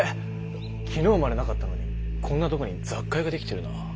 昨日までなかったのにこんなとこに雑貨屋ができてるな。